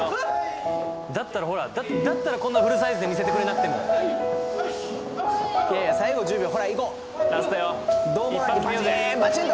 だったらこんなフルサイズで見せてくれなくてもいやいや最後１０秒ほらいこうラストよ胴回りバチーン！